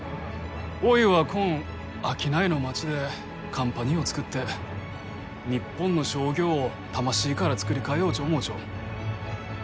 おいは、こん商いの町でカンパニーを作って日本の商業を魂から作り替えようち思うちょ。